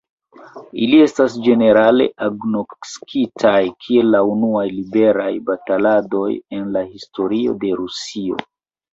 Ili estas ĝenerale agnoskitaj kiel la unuaj liberaj balotadoj en la historio de Rusio.